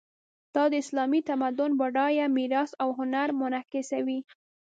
دا د اسلامي تمدن بډایه میراث او هنر منعکسوي.